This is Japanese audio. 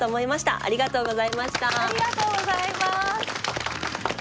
ありがとうございます。